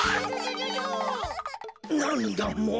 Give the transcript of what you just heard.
なんだもう。